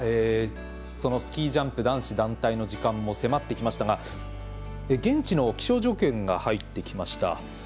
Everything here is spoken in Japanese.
そのスキー・ジャンプ男子団体の時間も迫ってきましたが現地の気象条件が入ってきました。